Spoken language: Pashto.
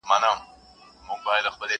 پټ په کوګل کي له انګاره سره لوبي کوي،،!